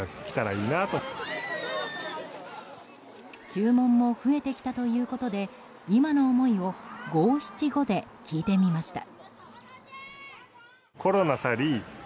注文も増えてきたということで今の思いを五七五で聞いてみました。